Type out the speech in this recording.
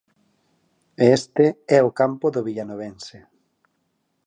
E este é o campo do Villanovense.